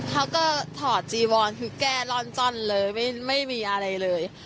เขาก็ถอดจีวอนคือแก้ร่อนจ้อนเลยไม่มีอะไรเลย